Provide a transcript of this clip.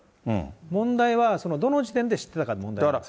問題は、どの時点で知ってたかというのが問題なんですよ。